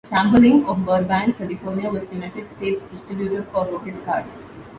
Chamberlain of Burbank, California, was the United States distributor for Lotus cars.